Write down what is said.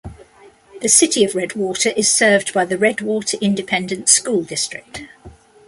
The City of Redwater is served by the Redwater Independent School District.